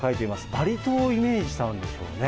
バリ島をイメージしたんでしょうね。